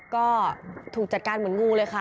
ก็ถูกจัดการเหมือนงูเลยค่ะ